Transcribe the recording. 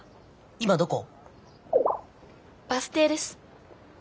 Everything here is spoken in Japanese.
今どこ？」。